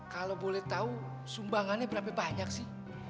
kalau boleh tahu sumbangannya berapa banyak sih